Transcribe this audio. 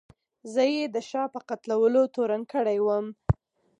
زه یې د شاه په قتلولو تورن کړی وم.